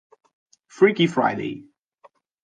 Freaky Friday